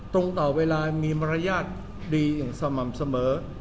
ตรงต่อเวลามีมารยาทดีอย่างสม่ำเสมอ